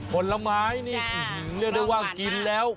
ผลไม้เดี้ยวเนื้อได้ว่ากินแล้ว